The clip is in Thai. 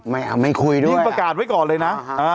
ไม่คุยด้วยนี่ประกาศไว้ก่อนเลยนะ